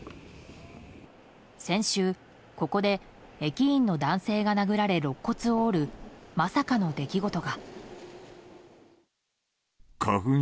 先週、ここで駅員の男性が殴られろっ骨を折るまさかの出来事が。